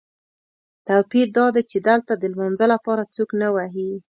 توپیر دادی چې دلته د لمانځه لپاره څوک نه وهي.